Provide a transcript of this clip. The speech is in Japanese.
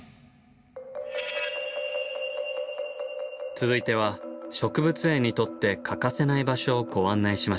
続いては植物園にとって欠かせない場所をご案内しましょう。